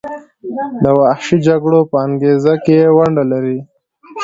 د وحشي جګړو په انګیزه کې ونډه لري.